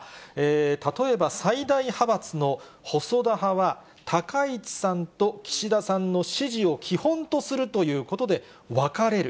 例えば、最大派閥の細田派は、高市さんと岸田さんの支持を基本とするということで分かれる。